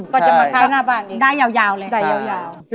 ขอบคุณครับ